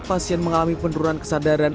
pasien mengalami penurunan kesadaran